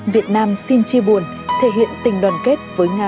việt nam xin chia buồn thể hiện tình đoàn kết